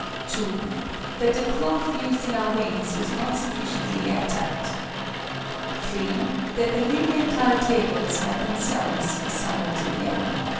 (2) That the cloth used in our wings was not sufficiently air tight. (3) That the Lilienthal tables might themselves be somewhat in error.